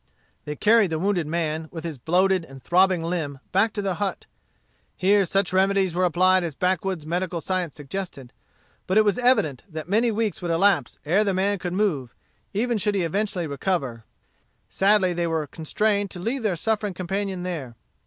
They carried the wounded man, with his bloated and throbbing limb, back to the hut. Here such remedies were applied as backwoods medical science suggested; but it was evident that many weeks would elapse ere the man could move, even should he eventually recover. Sadly they were constrained to leave their suffering companion there.